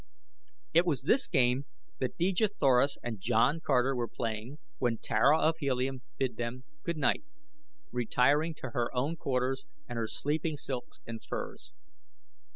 It was this game that Dejah Thoris and John Carter were playing when Tara of Helium bid them good night, retiring to her own quarters and her sleeping silks and furs.